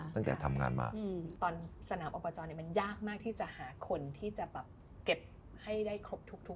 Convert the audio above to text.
ตั้งแต่ทำงานมาตอนสนามอบจรมันยากมากที่จะหาคนที่จะแบบเก็บให้ได้ครบทุก